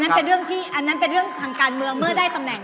อันนั้นเป็นเรื่องทางการเมืองเมื่อได้ตำแหน่ง